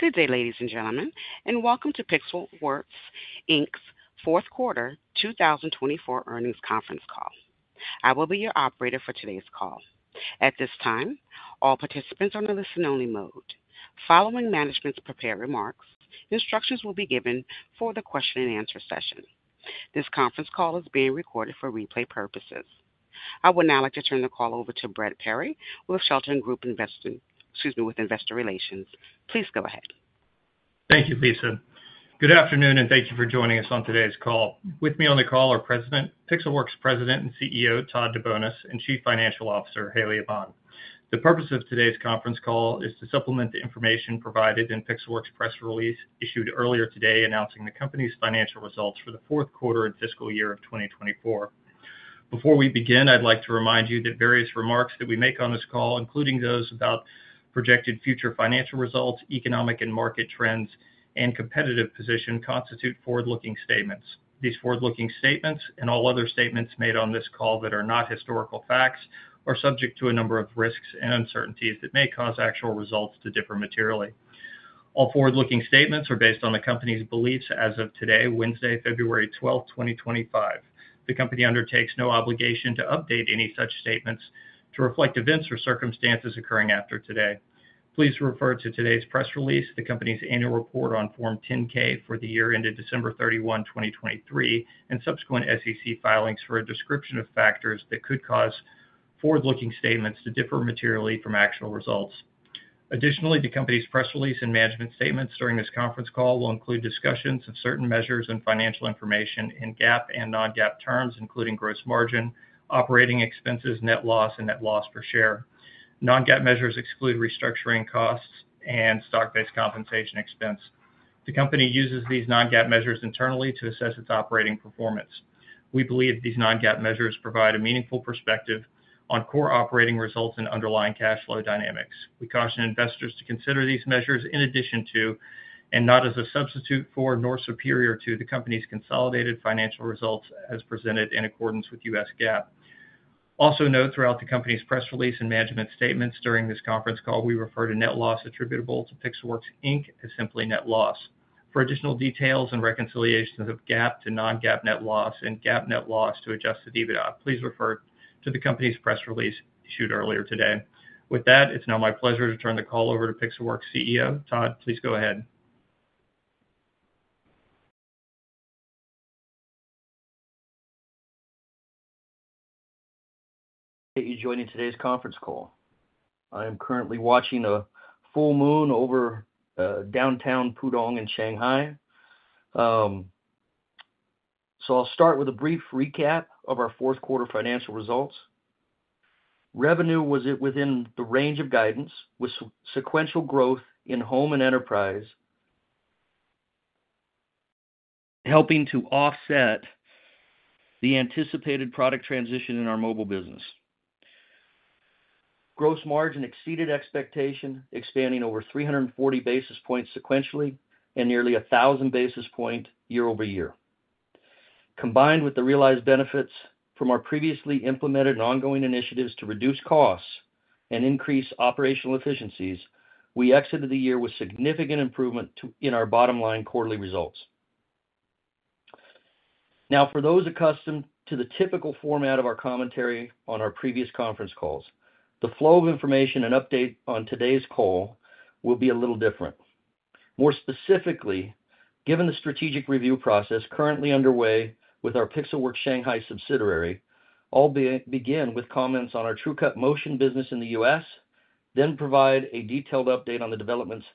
Good day, ladies and gentlemen, and welcome to Pixelworks' fourth quarter 2024 earnings conference call. I will be your operator for today's call. At this time, all participants are in the listen-only mode. Following management's prepared remarks, instructions will be given for the question-and-answer session. This conference call is being recorded for replay purposes. I would now like to turn the call over to Brett Perry with Shelton Group Investor Relations. Please go ahead. Thank you, Lisa. Good afternoon, and thank you for joining us on today's call. With me on the call are Pixelworks President and CEO Todd DeBonis and Chief Financial Officer Haley Aman. The purpose of today's conference call is to supplement the information provided in Pixelworks' press release issued earlier today announcing the company's financial results for the fourth quarter and fiscal year of 2024. Before we begin, I'd like to remind you that various remarks that we make on this call, including those about projected future financial results, economic and market trends, and competitive position, constitute forward-looking statements. These forward-looking statements and all other statements made on this call that are not historical facts are subject to a number of risks and uncertainties that may cause actual results to differ materially. All forward-looking statements are based on the company's beliefs as of today, Wednesday, February 12, 2025. The company undertakes no obligation to update any such statements to reflect events or circumstances occurring after today. Please refer to today's press release, the company's annual report on Form 10-K for the year ended December 31, 2023, and subsequent SEC filings for a description of factors that could cause forward-looking statements to differ materially from actual results. Additionally, the company's press release and management statements during this conference call will include discussions of certain measures and financial information in GAAP and non-GAAP terms, including gross margin, operating expenses, net loss, and net loss per share. non-GAAP measures exclude restructuring costs and stock-based compensation expense. The company uses these non-GAAP measures internally to assess its operating performance. We believe these non-GAAP measures provide a meaningful perspective on core operating results and underlying cash flow dynamics. We caution investors to consider these measures in addition to, and not as a substitute for, nor superior to, the company's consolidated financial results as presented in accordance with U.S. GAAP. Also note, throughout the company's press release and management statements during this conference call, we refer to net loss attributable to Pixelworks as simply net loss. For additional details on reconciliation of GAAP to non-GAAP net loss and GAAP net loss to adjust the dividend, please refer to the company's press release issued earlier today. With that, it's now my pleasure to turn the call over to Pixelworks CEO Todd. Please go ahead. Thank you for joining today's conference call. I am currently watching a full moon over downtown Pudong in Shanghai. I will start with a brief recap of our fourth quarter financial results. Revenue was within the range of guidance, with sequential growth in home and enterprise helping to offset the anticipated product transition in our mobile business. Gross margin exceeded expectation, expanding over 340 basis points sequentially and nearly 1,000 basis points year-over-year. Combined with the realized benefits from our previously implemented and ongoing initiatives to reduce costs and increase operational efficiencies, we exited the year with significant improvement in our bottom line quarterly results. Now, for those accustomed to the typical format of our commentary on our previous conference calls, the flow of information and update on today's call will be a little different. More specifically, given the strategic review process currently underway with our Pixelworks Shanghai subsidiary, I'll begin with comments on our TrueCut Motion business in the U.S., then provide a detailed update on the developments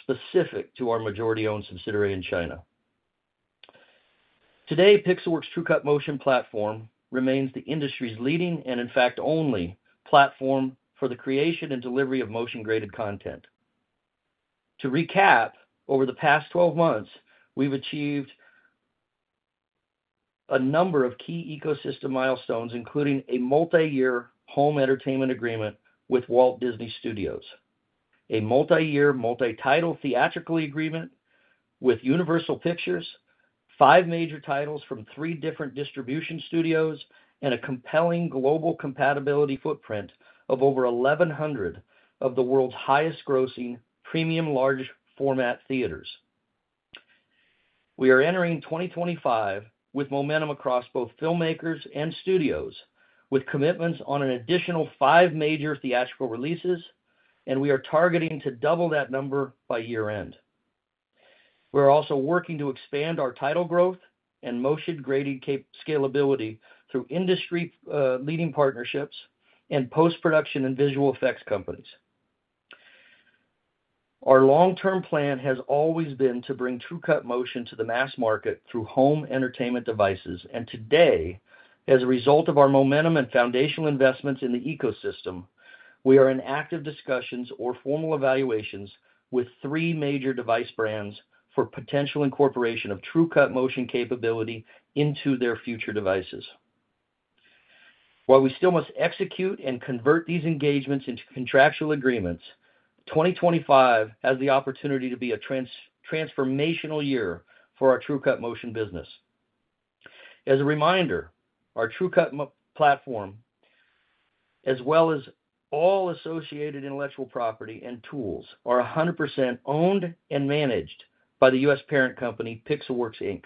specific to our majority-owned subsidiary in China. Today, Pixelworks TrueCut Motion platform remains the industry's leading and, in fact, only platform for the creation and delivery of motion-graded content. To recap, over the past 12 months, we've achieved a number of key ecosystem milestones, including a multi-year home entertainment agreement with Walt Disney Studios, a multi-year multi-title theatrical agreement with Universal Pictures, five major titles from three different distribution studios, and a compelling global compatibility footprint of over 1,100 of the world's highest-grossing premium large-format theaters. We are entering 2025 with momentum across both filmmakers and studios, with commitments on an additional five major theatrical releases, and we are targeting to double that number by year-end. We are also working to expand our title growth and motion-graded scalability through industry-leading partnerships and post-production and visual effects companies. Our long-term plan has always been to bring TrueCut Motion to the mass market through home entertainment devices, and today, as a result of our momentum and foundational investments in the ecosystem, we are in active discussions or formal evaluations with three major device brands for potential incorporation of TrueCut Motion capability into their future devices. While we still must execute and convert these engagements into contractual agreements, 2025 has the opportunity to be a transformational year for our TrueCut Motion business. As a reminder, our TrueCut platform, as well as all associated intellectual property and tools, are 100% owned and managed by the U.S. parent company, Pixelworks.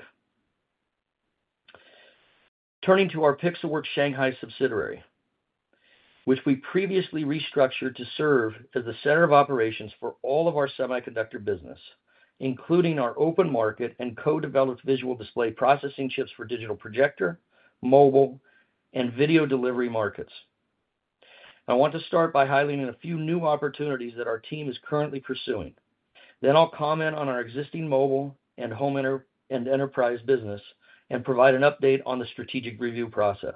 Turning to our Pixelworks Shanghai subsidiary, which we previously restructured to serve as the center of operations for all of our semiconductor business, including our open market and co-developed visual display processing chips for digital projector, mobile, and video delivery markets. I want to start by highlighting a few new opportunities that our team is currently pursuing. I will comment on our existing mobile and home and enterprise business and provide an update on the strategic review process.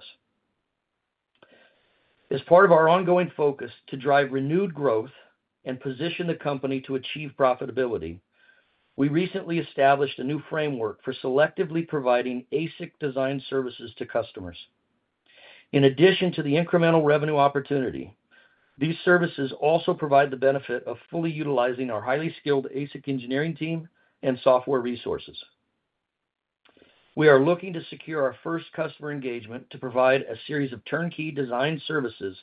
As part of our ongoing focus to drive renewed growth and position the company to achieve profitability, we recently established a new framework for selectively providing ASIC design services to customers. In addition to the incremental revenue opportunity, these services also provide the benefit of fully utilizing our highly skilled ASIC engineering team and software resources. We are looking to secure our first customer engagement to provide a series of turnkey design services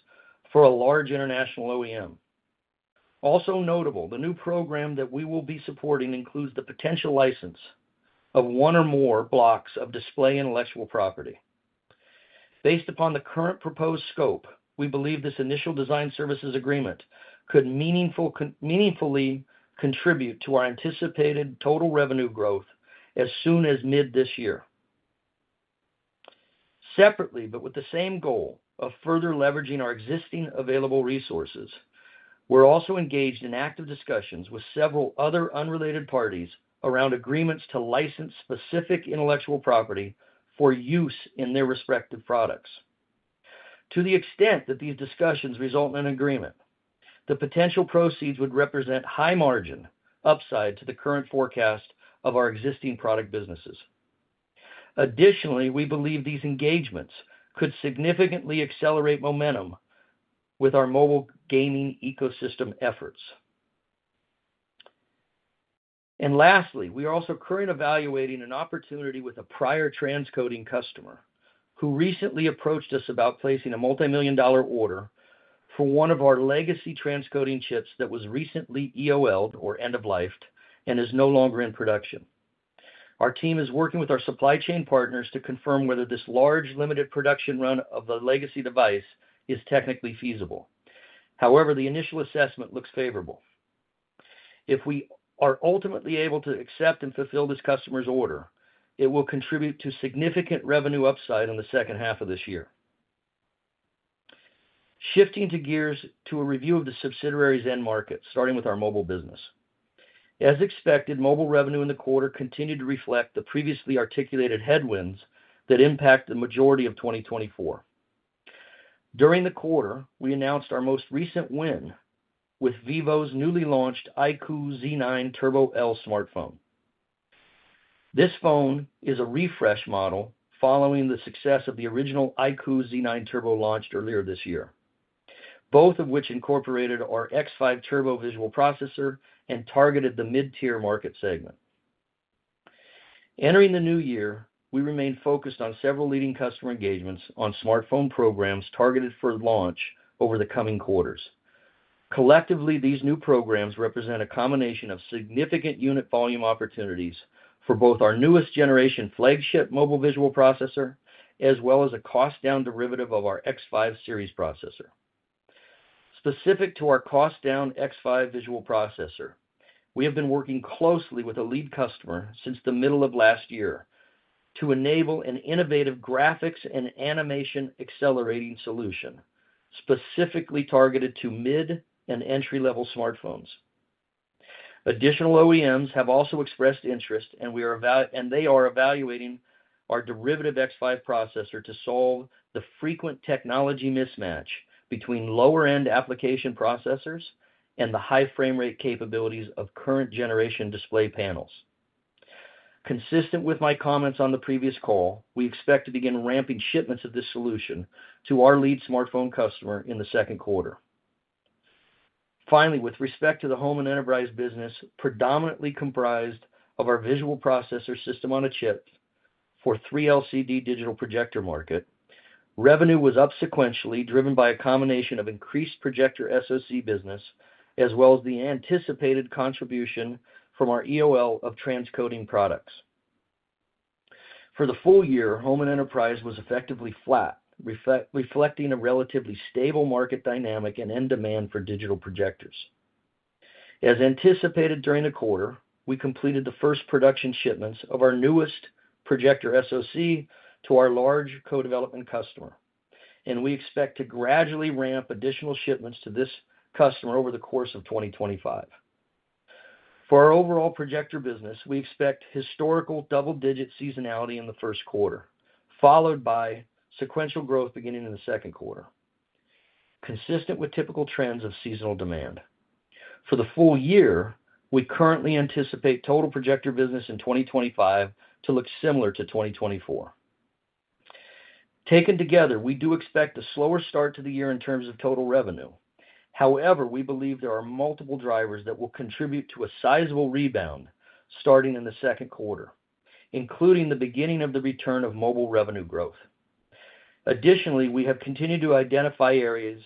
for a large international OEM. Also notable, the new program that we will be supporting includes the potential license of one or more blocks of display intellectual property. Based upon the current proposed scope, we believe this initial design services agreement could meaningfully contribute to our anticipated total revenue growth as soon as mid this year. Separately, but with the same goal of further leveraging our existing available resources, we're also engaged in active discussions with several other unrelated parties around agreements to license specific intellectual property for use in their respective products. To the extent that these discussions result in an agreement, the potential proceeds would represent high-margin upside to the current forecast of our existing product businesses. Additionally, we believe these engagements could significantly accelerate momentum with our mobile gaming ecosystem efforts. Lastly, we are also currently evaluating an opportunity with a prior transcoding customer who recently approached us about placing a multi-million dollar order for one of our legacy transcoding chips that was recently EOLed or end-of-life and is no longer in production. Our team is working with our supply chain partners to confirm whether this large limited production run of the legacy device is technically feasible. However, the initial assessment looks favorable. If we are ultimately able to accept and fulfill this customer's order, it will contribute to significant revenue upside in the second half of this year. Shifting gears to a review of the subsidiary's end market, starting with our mobile business. As expected, mobile revenue in the quarter continued to reflect the previously articulated headwinds that impact the majority of 2024. During the quarter, we announced our most recent win with Vivo's newly launched iQOO Z9 Turbo+ smartphone. This phone is a refresh model following the success of the original iQOO Z9 Turbo launched earlier this year, both of which incorporated our X5 Turbo visual processor and targeted the mid-tier market segment. Entering the new year, we remain focused on several leading customer engagements on smartphone programs targeted for launch over the coming quarters. Collectively, these new programs represent a combination of significant unit volume opportunities for both our newest generation flagship mobile visual processor as well as a cost-down derivative of our X5 series processor. Specific to our cost-down X5 visual processor, we have been working closely with a lead customer since the middle of last year to enable an innovative graphics and animation accelerating solution specifically targeted to mid and entry-level smartphones. Additional OEMs have also expressed interest, and they are evaluating our derivative X5 processor to solve the frequent technology mismatch between lower-end application processors and the high frame rate capabilities of current-generation display panels. Consistent with my comments on the previous call, we expect to begin ramping shipments of this solution to our lead smartphone customer in the second quarter. Finally, with respect to the home and enterprise business predominantly comprised of our visual processor system on a chip for the 3LCD digital projector market, revenue was up sequentially driven by a combination of increased projector SOC business as well as the anticipated contribution from our EOL of transcoding products. For the full year, home and enterprise was effectively flat, reflecting a relatively stable market dynamic and end demand for digital projectors. As anticipated during the quarter, we completed the first production shipments of our newest projector SOC to our large co-development customer, and we expect to gradually ramp additional shipments to this customer over the course of 2025. For our overall projector business, we expect historical double-digit seasonality in the first quarter, followed by sequential growth beginning in the second quarter, consistent with typical trends of seasonal demand. For the full year, we currently anticipate total projector business in 2025 to look similar to 2024. Taken together, we do expect a slower start to the year in terms of total revenue. However, we believe there are multiple drivers that will contribute to a sizable rebound starting in the second quarter, including the beginning of the return of mobile revenue growth. Additionally, we have continued to identify areas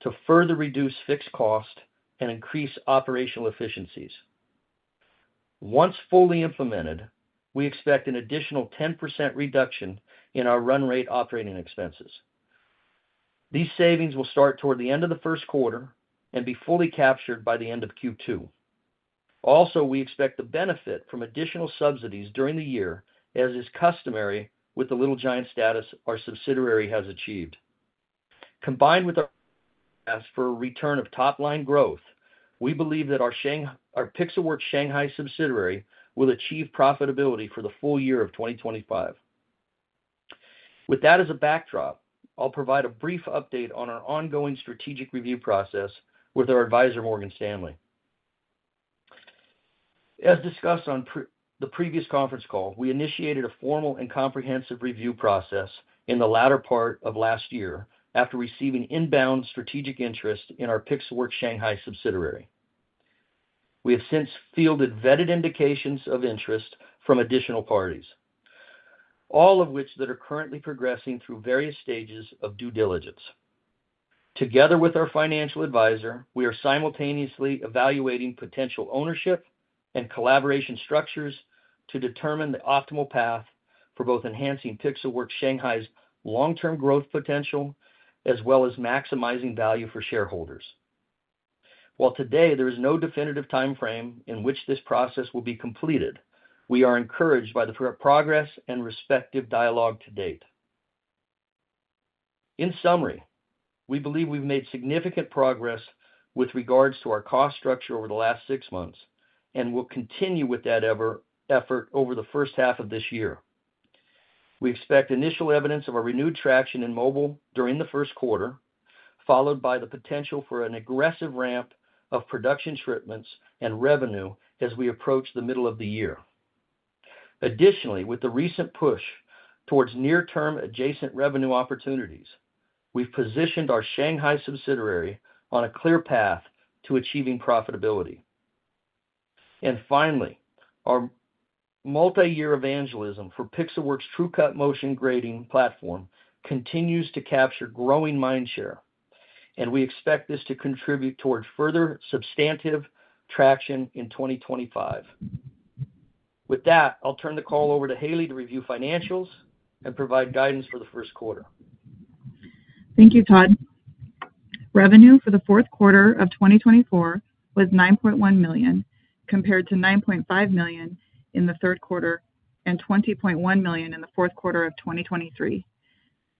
to further reduce fixed costs and increase operational efficiencies. Once fully implemented, we expect an additional 10% reduction in our run rate operating expenses. These savings will start toward the end of the first quarter and be fully captured by the end of Q2. Also, we expect the benefit from additional subsidies during the year, as is customary with the Little Giant status our subsidiary has achieved. Combined with our ask for a return of top-line growth, we believe that our Pixelworks Shanghai subsidiary will achieve profitability for the full year of 2025. With that as a backdrop, I'll provide a brief update on our ongoing strategic review process with our advisor, Morgan Stanley. As discussed on the previous conference call, we initiated a formal and comprehensive review process in the latter part of last year after receiving inbound strategic interest in our Pixelworks Shanghai subsidiary. We have since fielded vetted indications of interest from additional parties, all of which are currently progressing through various stages of due diligence. Together with our financial advisor, we are simultaneously evaluating potential ownership and collaboration structures to determine the optimal path for both enhancing Pixelworks Shanghai's long-term growth potential as well as maximizing value for shareholders. While today there is no definitive timeframe in which this process will be completed, we are encouraged by the progress and respective dialogue to date. In summary, we believe we've made significant progress with regards to our cost structure over the last six months and will continue with that effort over the first half of this year. We expect initial evidence of a renewed traction in mobile during the first quarter, followed by the potential for an aggressive ramp of production shipments and revenue as we approach the middle of the year. Additionally, with the recent push towards near-term adjacent revenue opportunities, we have positioned our Shanghai subsidiary on a clear path to achieving profitability. Finally, our multi-year evangelism for Pixelworks TrueCut Motion Grading platform continues to capture growing mindshare, and we expect this to contribute towards further substantive traction in 2025. With that, I will turn the call over to Haley to review financials and provide guidance for the first quarter. Thank you, Todd. Revenue for the fourth quarter of 2024 was $9.1 million, compared to $9.5 million in the third quarter and $20.1 million in the fourth quarter of 2023.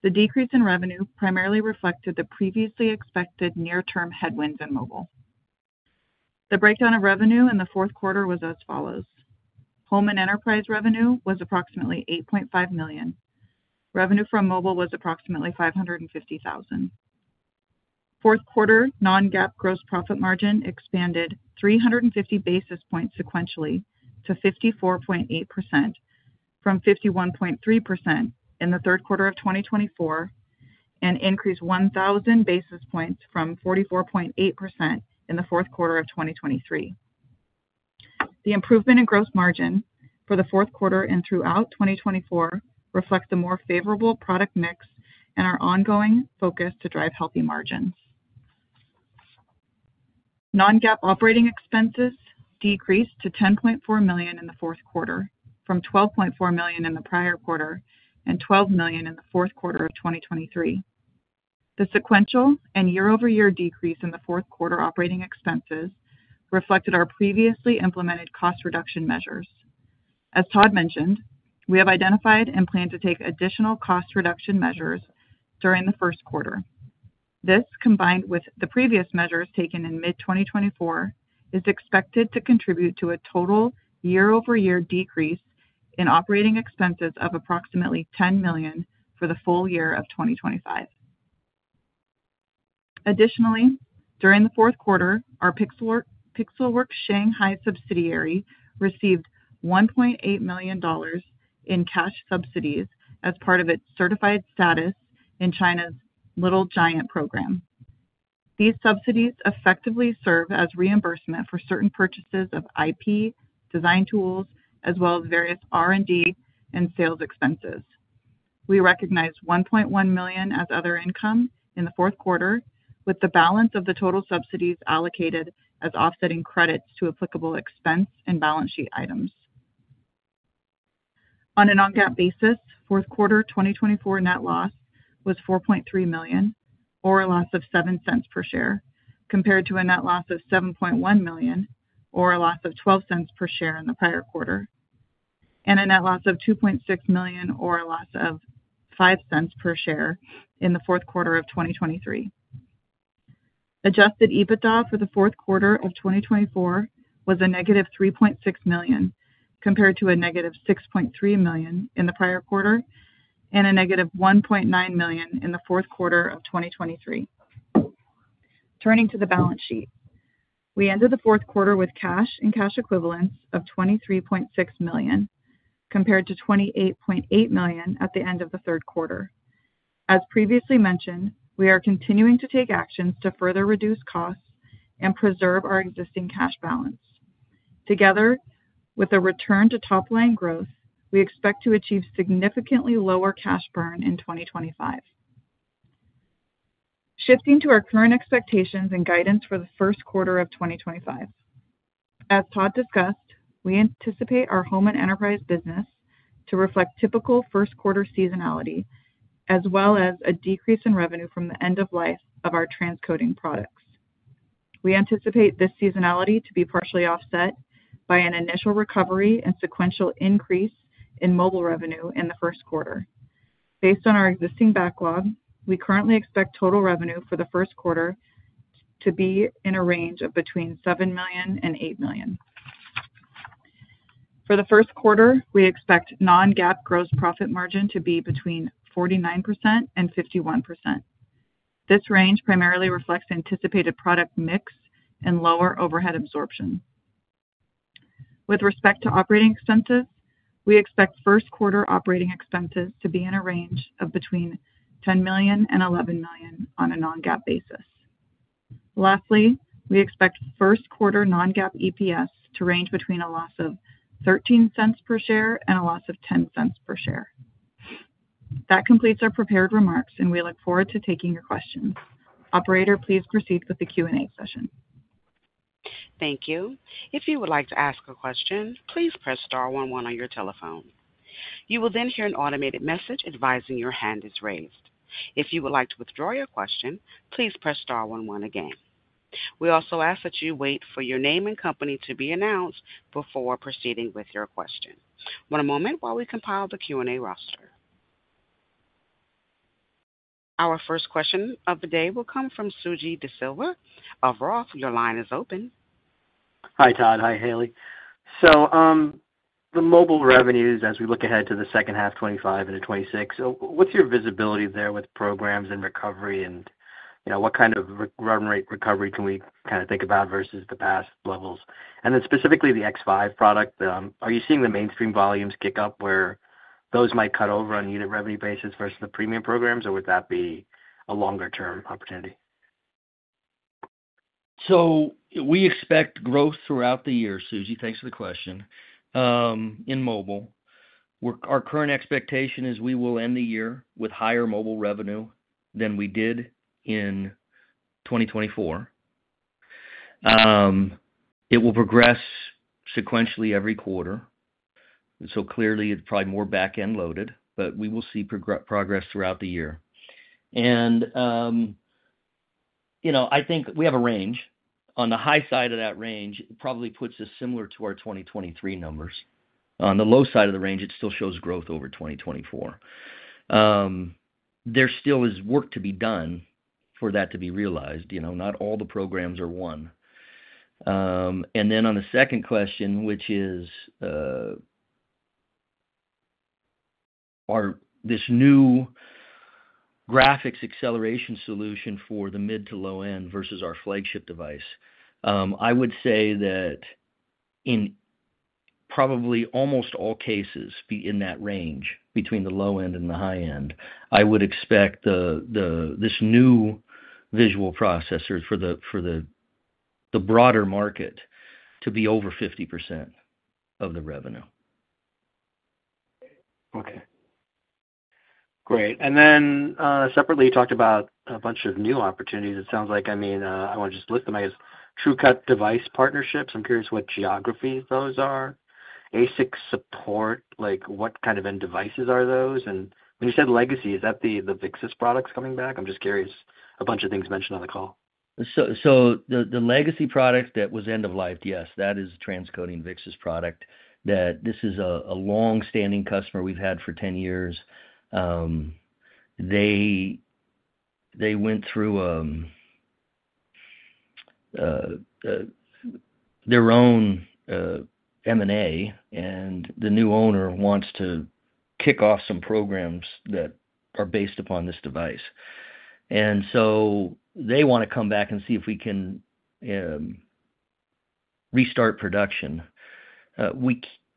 The decrease in revenue primarily reflected the previously expected near-term headwinds in mobile. The breakdown of revenue in the fourth quarter was as follows. Home and enterprise revenue was approximately $8.5 million. Revenue from mobile was approximately $550,000. Fourth quarter non-GAAP gross profit margin expanded 350 basis points sequentially to 54.8% from 51.3% in the third quarter of 2024 and increased 1,000 basis points from 44.8% in the fourth quarter of 2023. The improvement in gross margin for the fourth quarter and throughout 2024 reflects a more favorable product mix and our ongoing focus to drive healthy margins. non-GAAP operating expenses decreased to $10.4 million in the fourth quarter from $12.4 million in the prior quarter and $12 million in the fourth quarter of 2023. The sequential and year-over-year decrease in the fourth quarter operating expenses reflected our previously implemented cost reduction measures. As Todd mentioned, we have identified and plan to take additional cost reduction measures during the first quarter. This, combined with the previous measures taken in mid-2024, is expected to contribute to a total year-over-year decrease in operating expenses of approximately $10 million for the full year of 2025. Additionally, during the fourth quarter, our Pixelworks Shanghai subsidiary received $1.8 million in cash subsidies as part of its certified status in China's Little Giant program. These subsidies effectively serve as reimbursement for certain purchases of IP, design tools, as well as various R&D and sales expenses. We recognize $1.1 million as other income in the fourth quarter, with the balance of the total subsidies allocated as offsetting credits to applicable expense and balance sheet items. On a non-GAAP basis, fourth quarter 2024 net loss was $4.3 million, or a loss of $0.07 per share, compared to a net loss of $7.1 million, or a loss of $0.12 per share in the prior quarter, and a net loss of $2.6 million, or a loss of $0.05 per share in the fourth quarter of 2023. Adjusted EBITDA for the fourth quarter of 2024 was a negative $3.6 million, compared to a negative $6.3 million in the prior quarter and a negative $1.9 million in the fourth quarter of 2023. Turning to the balance sheet, we ended the fourth quarter with cash and cash equivalents of $23.6 million, compared to $28.8 million at the end of the third quarter. As previously mentioned, we are continuing to take actions to further reduce costs and preserve our existing cash balance. Together with a return to top-line growth, we expect to achieve significantly lower cash burn in 2025. Shifting to our current expectations and guidance for the first quarter of 2025. As Todd discussed, we anticipate our home and enterprise business to reflect typical first quarter seasonality as well as a decrease in revenue from the end of life of our transcoding products. We anticipate this seasonality to be partially offset by an initial recovery and sequential increase in mobile revenue in the first quarter. Based on our existing backlog, we currently expect total revenue for the first quarter to be in a range of between $7 million and $8 million. For the first quarter, we expect non-GAAP gross profit margin to be between 49% and 51%. This range primarily reflects anticipated product mix and lower overhead absorption. With respect to operating expenses, we expect first quarter operating expenses to be in a range of between $10 million and $11 million on a non-GAAP basis. Lastly, we expect first quarter non-GAAP EPS to range between a loss of $0.13 per share and a loss of $0.10 per share. That completes our prepared remarks, and we look forward to taking your questions. Operator, please proceed with the Q&A session. Thank you. If you would like to ask a question, please press star 11 on your telephone. You will then hear an automated message advising your hand is raised. If you would like to withdraw your question, please press star 11 again. We also ask that you wait for your name and company to be announced before proceeding with your question. One moment while we compile the Q&A roster. Our first question of the day will come from Suji Desilva of Roth. Your line is open. Hi, Todd. Hi, Haley. The mobile revenues, as we look ahead to the second half 2025 into 2026, what's your visibility there with programs and recovery and what kind of revenue rate recovery can we kind of think about versus the past levels? Specifically the X5 product, are you seeing the mainstream volumes kick up where those might cut over on a unit revenue basis versus the premium programs, or would that be a longer-term opportunity? We expect growth throughout the year, Suji, thanks for the question, in mobile. Our current expectation is we will end the year with higher mobile revenue than we did in 2024. It will progress sequentially every quarter. Clearly, it's probably more back-end loaded, but we will see progress throughout the year. I think we have a range. On the high side of that range, it probably puts us similar to our 2023 numbers. On the low side of the range, it still shows growth over 2024. There still is work to be done for that to be realized. Not all the programs are won. On the second question, which is this new graphics acceleration solution for the mid to low-end versus our flagship device, I would say that in probably almost all cases, being in that range between the low-end and the high-end, I would expect this new visual processor for the broader market to be over 50% of the revenue. Okay. Great. Separately, you talked about a bunch of new opportunities. It sounds like, I mean, I want to just list them. I guess TrueCut device partnerships. I'm curious what geography those are. ASIC support, what kind of end devices are those? When you said legacy, is that the ViXS products coming back? I'm just curious. A bunch of things mentioned on the call. The legacy product that was end of life, yes, that is Transcoding ViXS product. This is a long-standing customer we've had for 10 years. They went through their own M&A, and the new owner wants to kick off some programs that are based upon this device. They want to come back and see if we can restart production.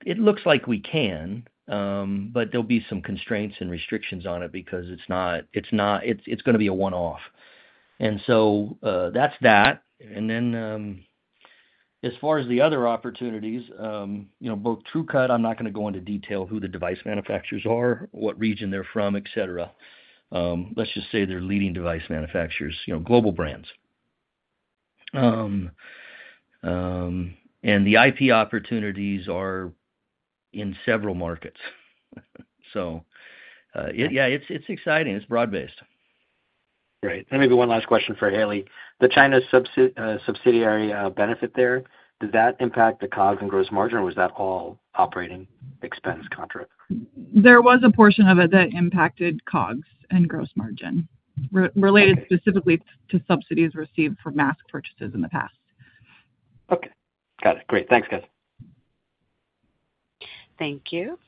It looks like we can, but there will be some constraints and restrictions on it because it's going to be a one-off. That is that. As far as the other opportunities, both TrueCut, I'm not going to go into detail who the device manufacturers are, what region they're from, etc. Let's just say they're leading device manufacturers, global brands. The IP opportunities are in several markets. Yeah, it's exciting. It's broad-based. Great. Maybe one last question for Haley. The China subsidiary benefit there, did that impact the COGS and gross margin, or was that all operating expense contra? There was a portion of it that impacted COGS and gross margin related specifically to subsidies received for mass purchases in the past. Okay. Got it. Great. Thanks, guys. Thank you.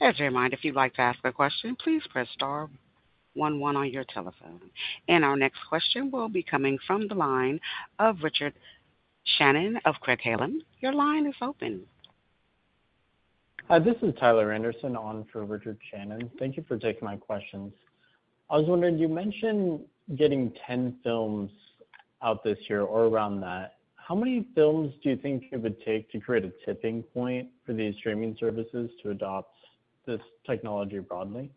As a reminder, if you'd like to ask a question, please press star 11 on your telephone. Our next question will be coming from the line of Richard Shannon of Craig-Hallum. Your line is open. Hi, this is Tyler Anderson on for Richard Shannon. Thank you for taking my questions. I was wondering, you mentioned getting 10 films out this year or around that. How many films do you think it would take to create a tipping point for these streaming services to adopt this technology broadly?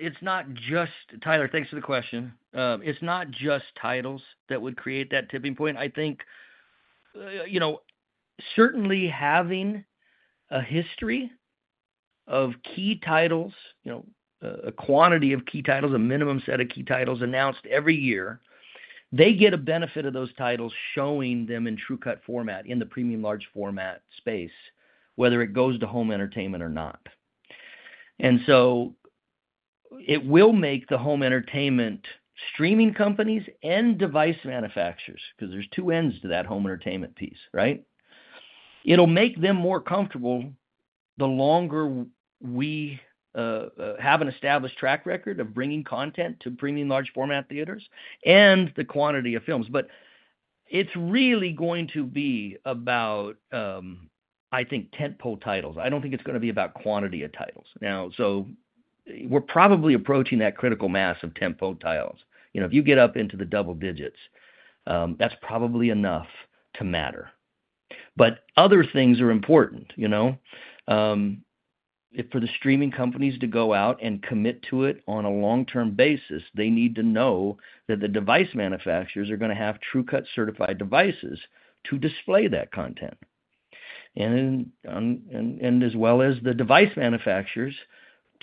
It's not just Tyler, thanks for the question. It's not just titles that would create that tipping point. I think certainly having a history of key titles, a quantity of key titles, a minimum set of key titles announced every year, they get a benefit of those titles showing them in TrueCut format in the premium large format space, whether it goes to home entertainment or not. It will make the home entertainment streaming companies and device manufacturers, because there's two ends to that home entertainment piece, right? It will make them more comfortable the longer we have an established track record of bringing content to premium large format theaters and the quantity of films. It is really going to be about, I think, tentpole titles. I do not think it is going to be about quantity of titles. Now, we are probably approaching that critical mass of tentpole titles. If you get up into the double digits, that is probably enough to matter. Other things are important. For the streaming companies to go out and commit to it on a long-term basis, they need to know that the device manufacturers are going to have TrueCut certified devices to display that content. As well as the device manufacturers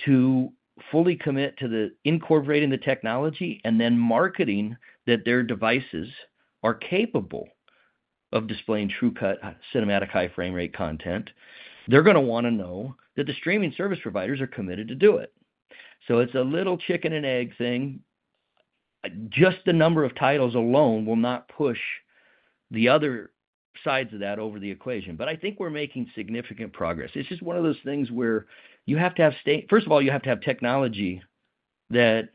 to fully commit to incorporating the technology and then marketing that their devices are capable of displaying TrueCut cinematic high frame rate content, they are going to want to know that the streaming service providers are committed to do it. It is a little chicken and egg thing. Just the number of titles alone will not push the other sides of that over the equation. I think we're making significant progress. It's just one of those things where you have to have, first of all, you have to have technology that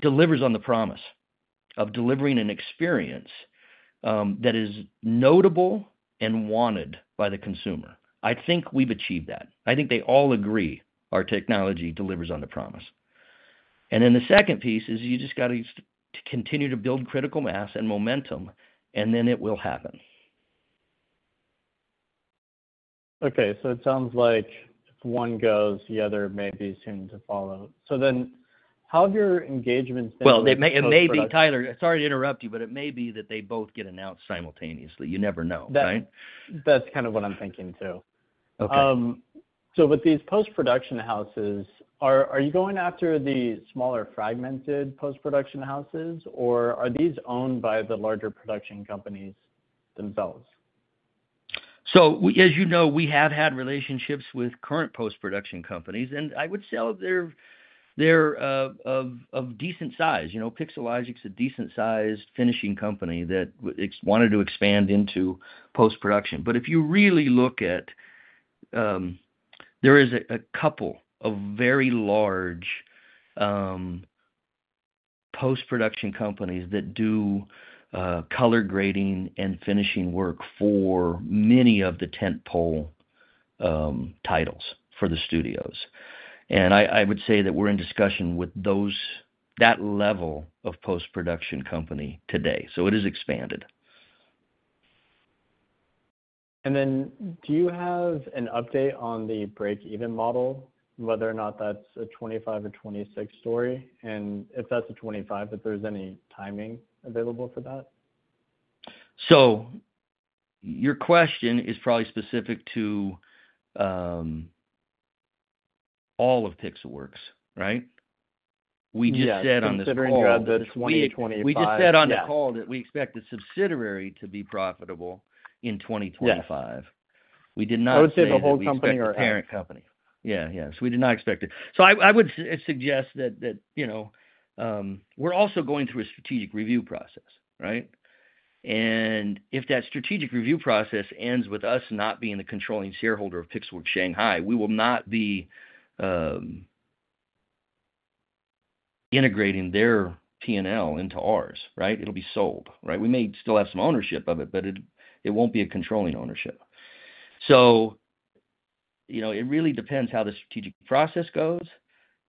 delivers on the promise of delivering an experience that is notable and wanted by the consumer. I think we've achieved that. I think they all agree our technology delivers on the promise. The second piece is you just got to continue to build critical mass and momentum, and then it will happen. Okay. It sounds like one goes, the other may be soon to follow. How have your engagements been? It may be, Tyler, sorry to interrupt you, but it may be that they both get announced simultaneously. You never know, right? That's kind of what I'm thinking too. With these post-production houses, are you going after the smaller fragmented post-production houses, or are these owned by the larger production companies themselves? As you know, we have had relationships with current post-production companies, and I would say they're of decent size. Pixelogic's a decent-sized finishing company that wanted to expand into post-production. If you really look at it, there are a couple of very large post-production companies that do color grading and finishing work for many of the tentpole titles for the studios. I would say that we're in discussion with that level of post-production company today. It is expanded. Do you have an update on the break-even model, whether or not that's a 2025 or 2026 story? If that's a 2025, if there's any timing available for that? Your question is probably specific to all of Pixelworks, right? We just said on the spring of 2025. We just said on the call that we expect the subsidiary to be profitable in 2025. We did not see the whole company or parent company. Yeah, yeah. We did not expect it. I would suggest that we're also going through a strategic review process, right? If that strategic review process ends with us not being the controlling shareholder of Pixelworks Shanghai, we will not be integrating their P&L into ours, right? It'll be sold, right? We may still have some ownership of it, but it won't be a controlling ownership. It really depends how the strategic process goes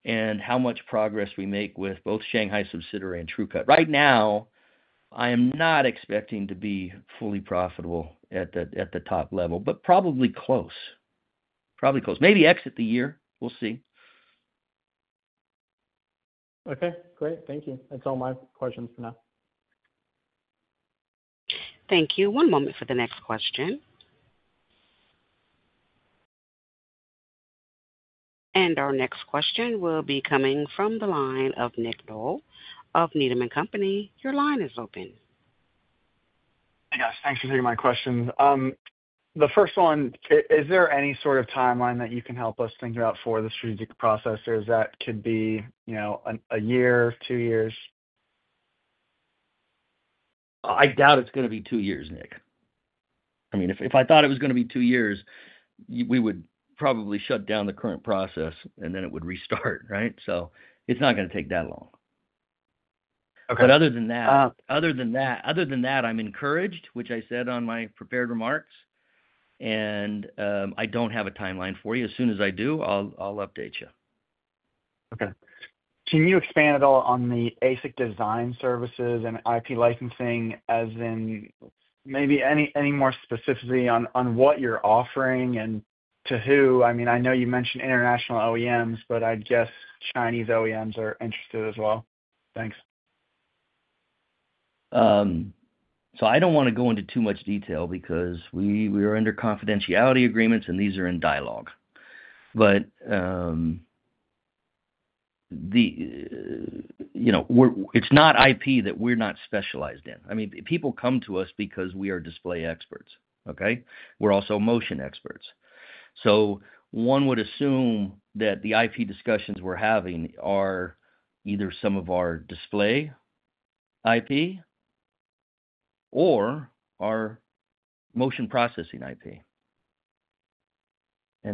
and how much progress we make with both Shanghai subsidiary and TrueCut. Right now, I am not expecting to be fully profitable at the top level, but probably close. Probably close. Maybe exit the year. We'll see. Okay. Great. Thank you. That's all my questions for now. Thank you. One moment for the next question. Our next question will be coming from the line of Nick Doyle of Needham & Company. Your line is open. Hey, guys. Thanks for taking my question. The first one, is there any sort of timeline that you can help us think about for the strategic process that could be a year, two years? I doubt it's going to be two years, Nick. I mean, if I thought it was going to be two years, we would probably shut down the current process, and then it would restart, right? It's not going to take that long. Other than that, I'm encouraged, which I said on my prepared remarks. I don't have a timeline for you. As soon as I do, I'll update you. Okay. Can you expand at all on the ASIC design services and IP licensing, as in maybe any more specificity on what you're offering and to who? I mean, I know you mentioned international OEMs, but I guess Chinese OEMs are interested as well. Thanks. I don't want to go into too much detail because we are under confidentiality agreements, and these are in dialog. It's not IP that we're not specialized in. I mean, people come to us because we are display experts, okay? We're also motion experts. One would assume that the IP discussions we're having are either some of our display IP or our motion processing IP.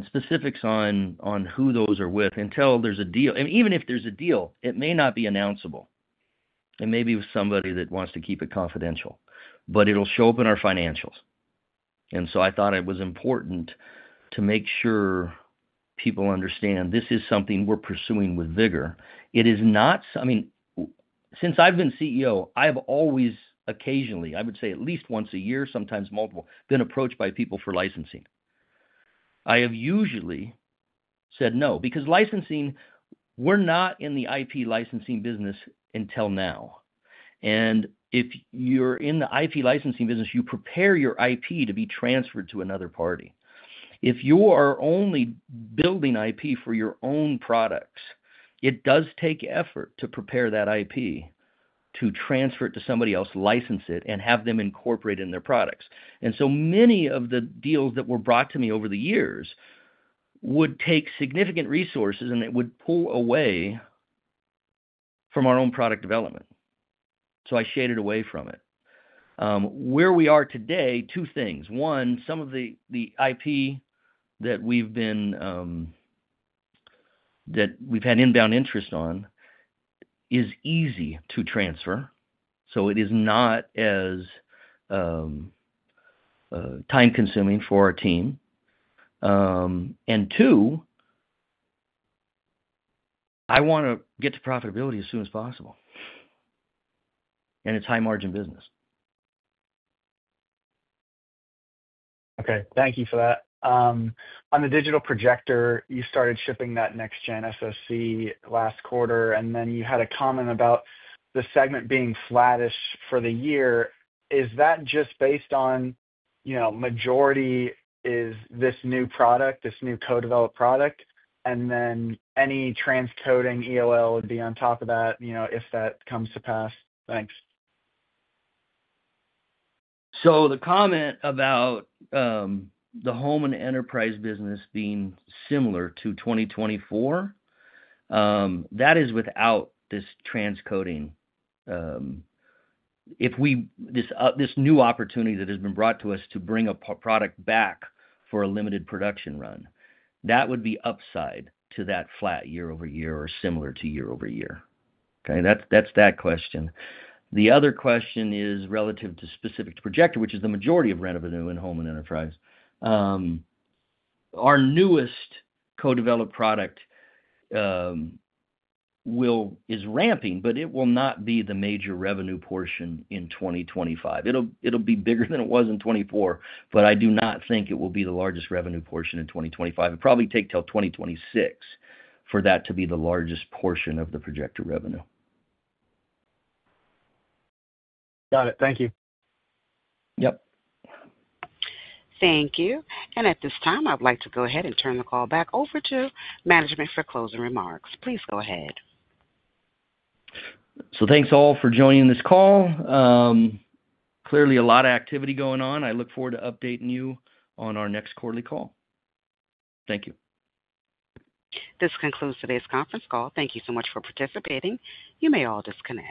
Specifics on who those are with until there's a deal. Even if there's a deal, it may not be announceable. It may be with somebody that wants to keep it confidential, but it'll show up in our financials. I thought it was important to make sure people understand this is something we're pursuing with vigor. It is not, I mean, since I've been CEO, I have always occasionally, I would say at least once a year, sometimes multiple, been approached by people for licensing. I have usually said no because licensing, we're not in the IP licensing business until now. If you're in the IP licensing business, you prepare your IP to be transferred to another party. If you are only building IP for your own products, it does take effort to prepare that IP, to transfer it to somebody else, license it, and have them incorporate in their products. Many of the deals that were brought to me over the years would take significant resources, and it would pull away from our own product development. I shaded away from it. Where we are today, two things. One, some of the IP that we've had inbound interest on is easy to transfer. It is not as time-consuming for our team. Two, I want to get to profitability as soon as possible. It is high-margin business. Okay. Thank you for that. On the digital projector, you started shipping that next-gen SOC last quarter, and then you had a comment about the segment being flattish for the year. Is that just based on majority is this new product, this new co-developed product, and then any transcoding EOL would be on top of that if that comes to pass? Thanks. The comment about the home and enterprise business being similar to 2024, that is without this transcoding. This new opportunity that has been brought to us to bring a product back for a limited production run, that would be upside to that flat year-over-year or similar to year-over-year. Okay? That is that question. The other question is relative to specific projector, which is the majority of revenue in home and enterprise. Our newest co-developed product is ramping, but it will not be the major revenue portion in 2025. It will be bigger than it was in 2024, but I do not think it will be the largest revenue portion in 2025. It will probably take until 2026 for that to be the largest portion of the projector revenue. Got it. Thank you. Yep. Thank you. At this time, I'd like to go ahead and turn the call back over to management for closing remarks. Please go ahead. Thanks all for joining this call. Clearly, a lot of activity going on. I look forward to updating you on our next quarterly call. Thank you. This concludes today's conference call. Thank you so much for participating. You may all disconnect.